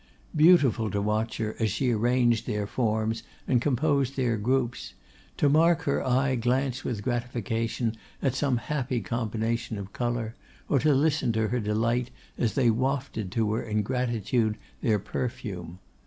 Beautiful to watch her as she arranged their forms and composed their groups; to mark her eye glance with gratification at some happy combination of colour, or to listen to her delight as they wafted to her in gratitude their perfume.